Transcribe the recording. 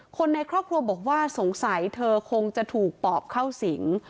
คนในครอบครัวบอกว่าสงสัยเธอคงจะถูกปอบเข้าสิง